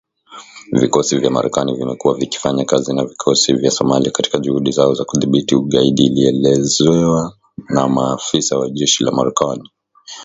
Vikosi vya Marekani vimekuwa vikifanya kazi na vikosi vya Somalia katika juhudi zao za kudhibiti ugaidi ilielezewa na maafisa wa jeshi la Marekani.